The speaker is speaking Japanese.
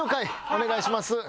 お願いします。